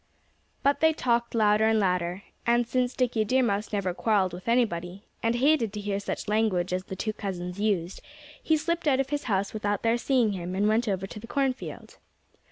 But they talked louder and louder. And since Dickie Deer Mouse never quarreled with anybody, and hated to hear such language as the two cousins used, he slipped out of his house without their seeing him and went over to the cornfield.